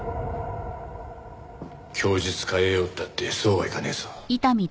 供述変えようったってそうはいかねえぞ。